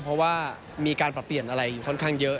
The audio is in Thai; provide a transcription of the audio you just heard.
เพราะว่ามีการประเปรียนอะไรค่อนข้างเยอะ